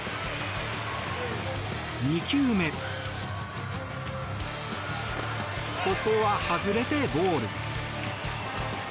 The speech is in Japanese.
２球目ここは外れてボール。